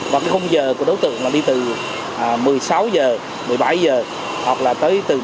và công giờ của đối tượng là đi từ một mươi sáu h một mươi bảy h hoặc là tới từ bảy h